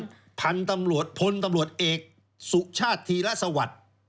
ส่วนพลตำรวจเอกสุชาติธีและสวัสดิ์